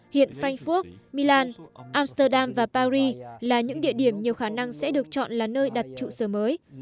hiện frankfurt milan austerdam và paris là những địa điểm nhiều khả năng sẽ được chọn là nơi đặt trụ sở mới